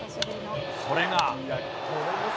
それが。